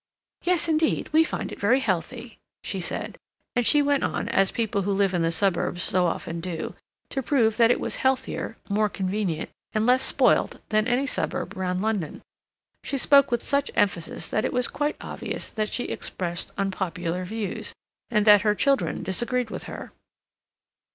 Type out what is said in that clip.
"Yes, indeed, we find it very healthy," she said, and she went on, as people who live in the suburbs so often do, to prove that it was healthier, more convenient, and less spoilt than any suburb round London. She spoke with such emphasis that it was quite obvious that she expressed unpopular views, and that her children disagreed with her.